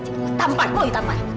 nanti aku tampar kau ditampar